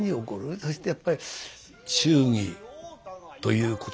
そしてやっぱり忠義ということですよね。